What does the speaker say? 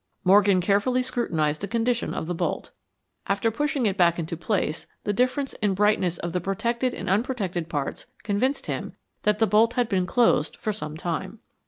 Morgan carefully scrutinized the condition of the bolt. After pushing it back into place the difference in brightness of the protected and unprotected parts convinced him that the bolt had been closed for some time.